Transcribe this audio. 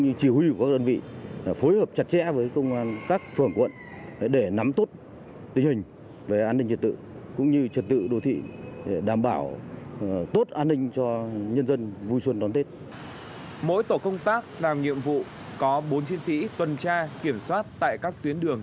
nhiệm vụ tuần tra đảm bảo an ninh trật tự an toàn giao thông tại các tuyến đường